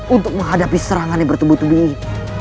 untuk menghadapi serangan yang bertubuh tubuh ini